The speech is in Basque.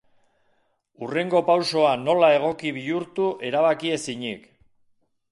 Hurrengo pausoa nola egoki bihurtu erabaki ezinik.